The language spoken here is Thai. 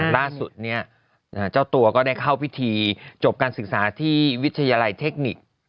ล่าสุดเนี่ยเจ้าตัวก็ได้เข้าพิธีจบการศึกษาที่วิทยาลัยเทคนิค